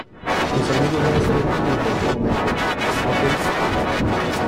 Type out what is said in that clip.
Tus amigos van a estar aquí en cualquier momento. ¡ ok!